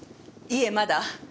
いえまだ。